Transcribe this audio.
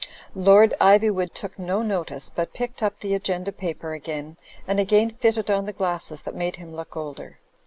Lord Ivjrwood took no notice, but picked up the agenda paper again, and again fitted on the glasses that made him look older.